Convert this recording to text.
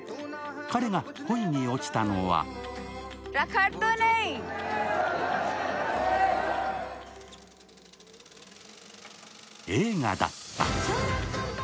彼が恋に落ちたのは映画だった。